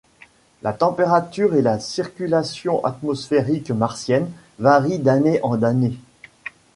La température et la circulation atmosphérique martiennes varient d'année en année.